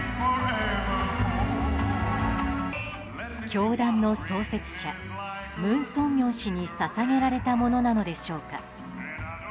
教団の創設者・文鮮明氏に捧げられたものなのでしょうか。